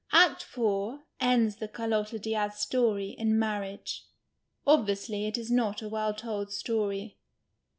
Aet IV. ends the Carlotta Diaz story in marriage. Obviously it is not a well told story.